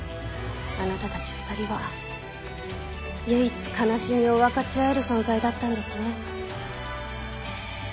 あなたたち２人は唯一悲しみを分かち合える存在だったんですね。